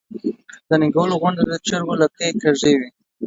د نينګوَلۍ د غونډ د چرګو لکۍ کږې وي۔